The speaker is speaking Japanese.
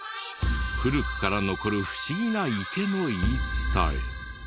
古くから残る不思議な池の言い伝え。